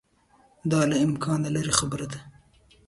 دا له امکانه لیري خبره ده.